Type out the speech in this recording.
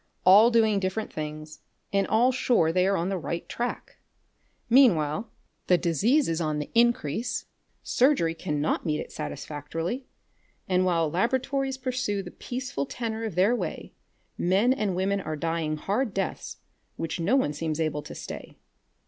All doing different things, and all sure they are on the right track! Meanwhile the disease is on the increase, surgery cannot meet it satisfactorily, and while laboratories pursue the peaceful tenor of their way, men and women are dying hard deaths which no one seems able to stay.